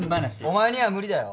お前には無理だよ。